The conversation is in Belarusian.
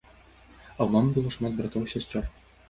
А ў мамы было шмат братоў і сясцёр.